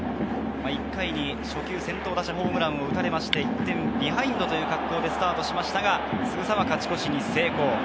１回に初球先頭打者ホームランを打たれて、１点ビハインドという形でスタートしましたが、すぐさま勝ち越しに成功。